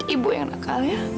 ibu yang nakal ya